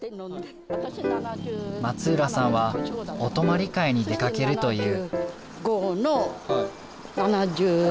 松浦さんはお泊まり会に出かけるという。